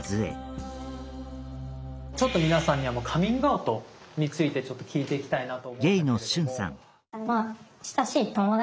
ちょっと皆さんにカミングアウトについてちょっと聞いていきたいなと思うんだけれども。